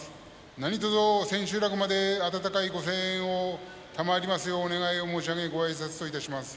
何とぞ、千秋楽まで温かいご声援を賜りますようお願い申し上げごあいさつといたします。